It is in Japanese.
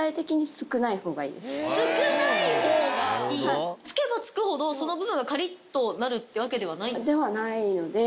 少ないほうがいい⁉付けば付くほどその部分がカリっとなるってわけでは？ではないので。